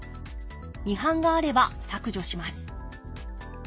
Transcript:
違反があれば削除します。